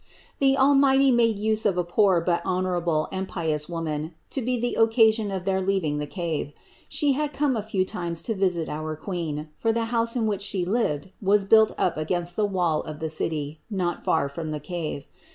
574. The Almighty made use of a poor but honorable and pious woman to be the occasion of their leaving the cave. She had come a few times to visit our Queen; for the house in which She lived was built up against the wall of the city, not far from the cave.